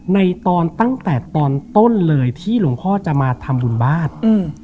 ในตอนตั้งแต่ตอนต้นเลยที่หลวงพ่อจะมาทำบุญบ้านอืม